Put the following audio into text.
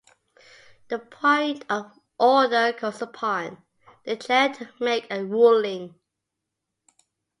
The point of order calls upon the chair to make a ruling.